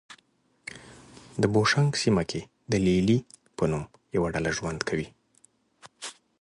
د بوشونګ سیمه کې د لې لې په نوم یوه ډله ژوند کوي.